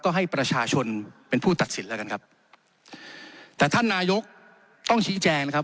ก็ให้ประชาชนเป็นผู้ตัดสินแล้วกันครับแต่ท่านนายกต้องชี้แจงนะครับ